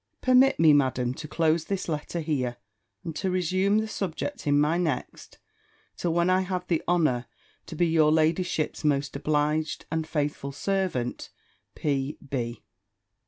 Permit me, Madam, to close this letter here, and to resume the subject in my next: till when I have the honour to be your ladyship's most obliged and faithful servant, P.B.